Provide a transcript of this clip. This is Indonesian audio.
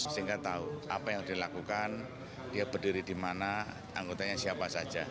sehingga tahu apa yang dilakukan dia berdiri di mana anggotanya siapa saja